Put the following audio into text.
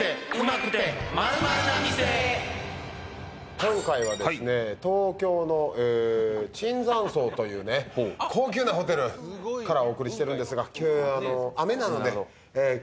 今回は東京の椿山荘という高級なホテルからお送りしてるんですが。